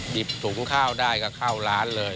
หยิบถุงข้าวได้ก็เข้าร้านเลย